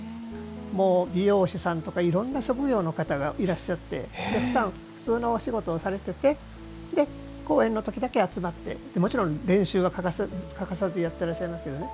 もう理容師さんとかいろんな職業の方がいらっしゃっていらっしゃって、ふだん普通のお仕事をされてて公演の時だけ集まってもちろん練習は欠かさずやっていらっしゃいますけどね。